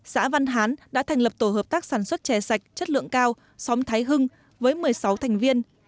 xã văn hán đã thành lập tổ hợp tác sản xuất chè sạch chất lượng cao xóm thái hưng với một mươi sáu thành viên